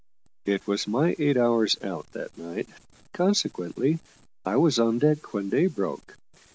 It was my eight hours out that night; consequently I was on deck when day broke.